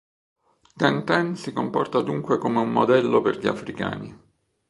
Tintin si comporta dunque come un modello per gli africani.